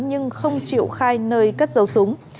nhưng không chịu khai nơi cất dấu súng